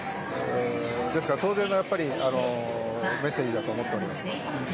ですから当然のメッセージだと思っています。